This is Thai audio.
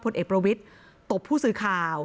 เอกประวิทย์ตบผู้สื่อข่าว